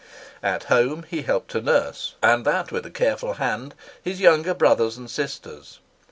At home he helped to nurse, and that with a careful hand, his younger brothers and sisters.